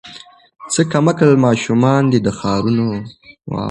څه کم عقل ماشومان دي د ښارونو